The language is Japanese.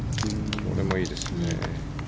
これもいいですよね。